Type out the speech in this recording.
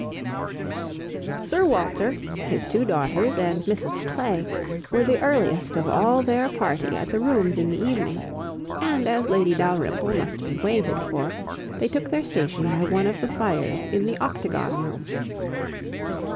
Sir Walter, his two daughters, and Mrs Clay, were the earliest of all their party at the rooms in the evening; and as Lady Dalrymple must be waited for, they took their station by one of the fires in the Octagon Room.